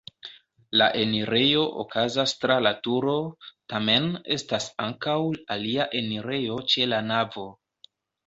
La enirejo okazas tra la turo, tamen estas ankaŭ alia enirejo ĉe la navo.